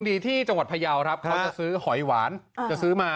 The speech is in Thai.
ดีที่จังหวัดภายาวครับครับ